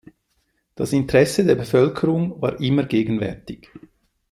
Das Interesse der Bevölkerung war immer gegenwärtig.